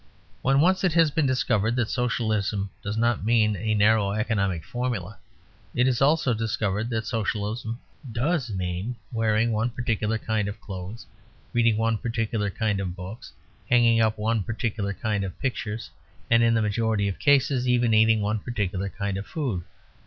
When once it has been discovered that Socialism does not mean a narrow economic formula, it is also discovered that Socialism does mean wearing one particular kind of clothes, reading one particular kind of books, hanging up one particular kind of pictures, and in the majority of cases even eating one particular kind of food.